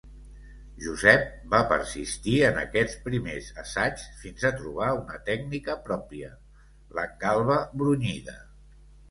Josep va persistir en aquests primers assaigs fins a trobar una tècnica pròpia: l'engalba brunyida.